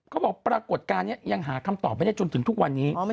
ปรากฏการณ์นี้ยังหาคำตอบไม่ได้จนถึงทุกวันนี้